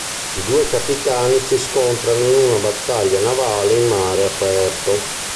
I due capitani si scontrano in una battaglia navale in mare aperto.